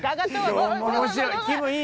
面白い。